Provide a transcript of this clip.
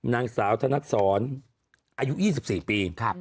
นางสาวธนัดศรอายุ๒๔ปี